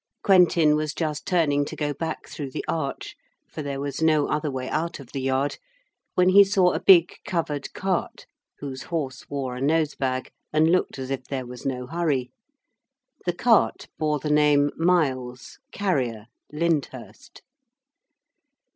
Quentin was just turning to go back through the arch, for there was no other way out of the yard, when he saw a big covered cart, whose horse wore a nose bag and looked as if there was no hurry. The cart bore the name, 'Miles, Carrier, Lyndhurst.'